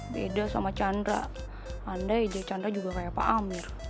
beda sama chandra andai j chandra juga kayak pak amir